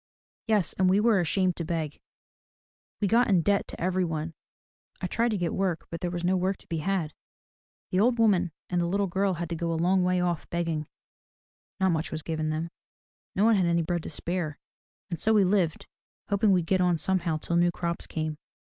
Yes, and we were ashamed to beg. We got in debt to everyone. I tried to get work, but there was no work to 158 FROM THE TOWER WINDOW be had. The old woman and the Uttle girl had to go a long way off begging. Not much was given them. No one had any bread to spare. And so we lived, hoping we'd get on somehow till new crops came.